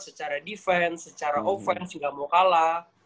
secara offense gak mau kalah